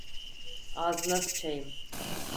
Ağzına sıçayım!